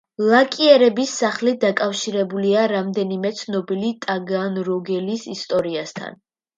ლაკიერების სახლი დაკავშირებულია რამდენიმე ცნობილი ტაგანროგელის ისტორიასთან.